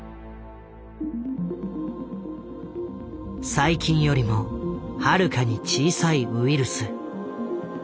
細菌よりもはるかに小さいウイルス。